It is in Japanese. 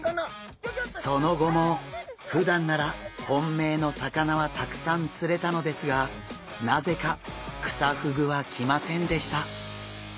その後もふだんなら本命の魚はたくさん釣れたのですがなぜかクサフグはきませんでした。